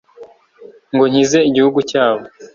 ngo nkize igihugu cyabo